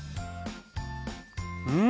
うん！